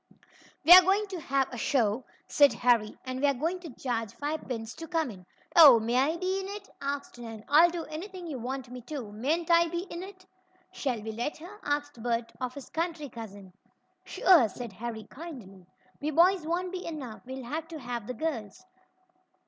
"We're going to have a show," said Harry, "and we're going to charge five pins to come in." "Oh, may I be in it?" asked Nan. "I'll do anything you want me to. Mayn't I be in it?" "Shall we let her?" asked Bert of his country cousin. "Sure," said Harry kindly. "We boys won't be enough. We'll have to have the girls."